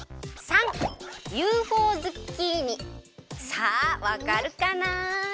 さあわかるかな？